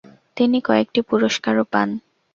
তিনি কয়েকটি পুরস্কারও পান।